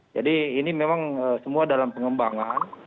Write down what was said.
jadi ini memang semua dalam pengembangan